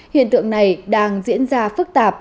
hiện tượng này đang diễn ra phức tạp